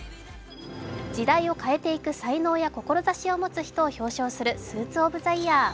時代を変えていく才能や志を持つ人を表彰するスーツ・オブ・ザ・イヤー。